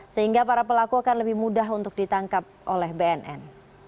sehingga para pelaku akan lebih mudah untuk ditangkap oleh bnn